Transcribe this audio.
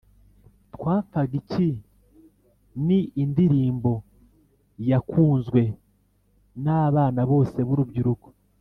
Twapfaga iki ni indirimbo yakunzwe na abana bose b’urubyiruko